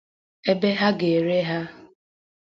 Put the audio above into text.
ebe ha ga-ere ha.